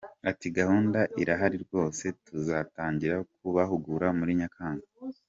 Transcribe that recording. Ati “Gahunda irahari rwose, tuzatangira kubahugura muri Nyakanga.